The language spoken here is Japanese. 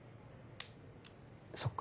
そっか。